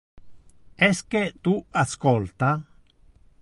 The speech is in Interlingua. Esque tu ascolta?